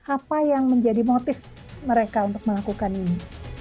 apa yang menjadi motif mereka untuk melakukan ini